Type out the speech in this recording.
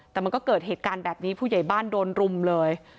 แต่มันก็เกิดเหตุการณ์แบบนี้ผู้ใหญ่บ้านโดนรุมเลย